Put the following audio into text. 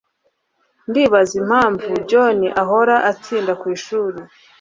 ndibaza impamvu john ahora atinda kwishuri